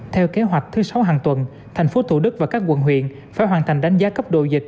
theo kế hoạch thứ sáu hàng tuần tp thủ đức và các quận huyện phải hoàn thành đánh giá cấp độ dịch